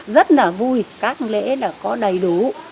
rất là vui các lễ đã có đầy đủ